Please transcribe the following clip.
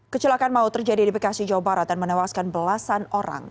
kecelakaan maut terjadi di bekasi jawa barat dan menewaskan belasan orang